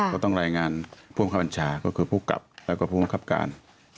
ก็ต้องรายงานผู้บังคับบัญชาก็คือผู้กลับแล้วก็ผู้บังคับการ